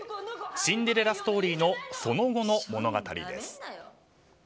シンデレラストーリーのその後の物語です。